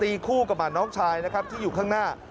คู่กับน้องชายนะครับที่อยู่ข้างหน้า